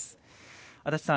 安達さん